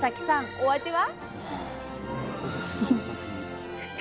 お味は？